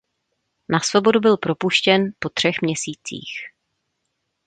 Na svobodu byl propuštěn po třech měsících.